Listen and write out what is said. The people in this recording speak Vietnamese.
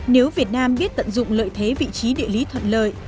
nếu việt nam biết tận dụng lợi thế vị trí địa lý thuận lợi